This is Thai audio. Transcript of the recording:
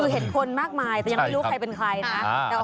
คือเห็นคนมากมายแต่ยังไม่รู้ใครเป็นใครนะ